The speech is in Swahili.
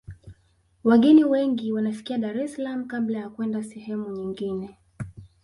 wageni wengi wanafikia dar es salaam kabla ya kwenda sehemu nyingine